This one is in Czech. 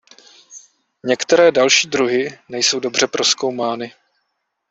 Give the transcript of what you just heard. Některé další druhy nejsou dobře prozkoumány.